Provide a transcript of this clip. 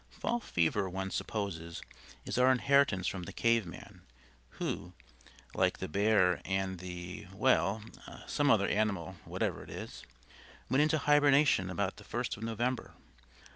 Fall fever, one supposes, is our inheritance from the cave man, who (like the bear and the well, some other animal, whatever it is) went into hibernation about the first of November.